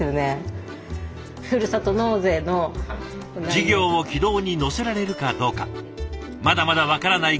事業を軌道に乗せられるかどうかまだまだ分からない